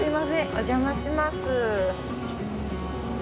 お邪魔します。